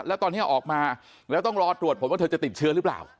แล้วตอนนี้ออกมาแล้วต้องรอตรวจผลว่าเธอจะติดเชื้อหรือเปล่า